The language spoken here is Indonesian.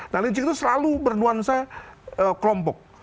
nah lincing itu selalu bernuansa kelompok